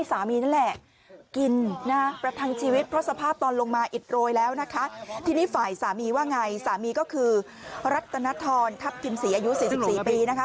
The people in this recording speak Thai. สามีว่าอย่างไรสามีก็คือรัตนทรทัพกินศรีอายุ๔๔ปีนะคะ